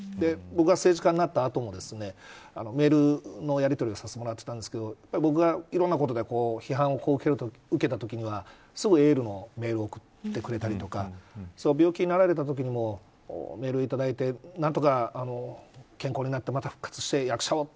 僕が政治家になった後もメールのやりとりをさせてもらってたんですけど僕がいろんなことで批判を受けたときにはすぐエールのメールを送ってくれたりとか病気になられたときにもメールをいただいて何とか健康になってまた復活して役者をって